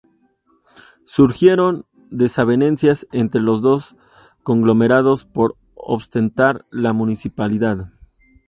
Surgieron desavenencias entre los dos conglomerados por ostentar la municipalidad.